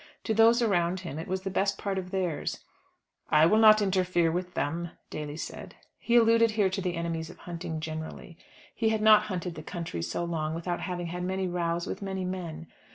To those around him it was the best part of theirs. "I will not interfere with them," Daly said. He alluded here to the enemies of hunting generally. He had not hunted the country so long without having had many rows with many men.